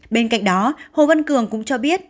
bên cạnh đó hồ văn cường cũng cho biết